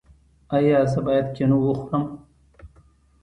ایا زه باید کینو وخورم؟